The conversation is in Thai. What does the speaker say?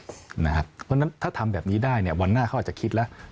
เพราะฉะนั้นถ้าทำแบบนี้ได้วันหน้าเขาอาจจะคิดแล้ว